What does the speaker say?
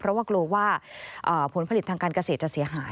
เพราะว่ากลัวว่าผลผลิตทางการเกษตรจะเสียหาย